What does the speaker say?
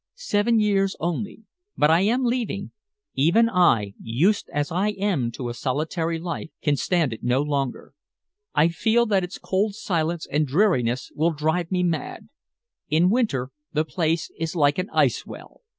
"Seven years only. But I am leaving. Even I, used as I am to a solitary life, can stand it no longer. I feel that its cold silence and dreariness will drive me mad. In winter the place is like an ice well."